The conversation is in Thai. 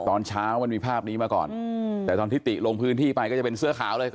ตอนเช้ามันมีภาพนี้มาก่อนแต่ตอนที่ติลงพื้นที่ไปก็จะเป็นเสื้อขาวเลย